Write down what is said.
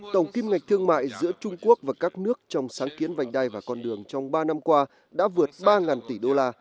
tổng kim ngạch thương mại giữa trung quốc và các nước trong sáng kiến vành đai và con đường trong ba năm qua đã vượt ba tỷ đô la